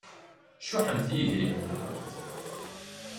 Cuḥemt i yidrimen-nkent.